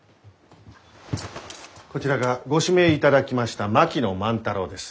こちらがご指名いただきました槙野万太郎です。